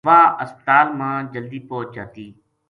واہ ہسپتال ما جلدی پوہچ جاتی